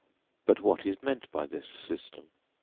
But what is meant by this system?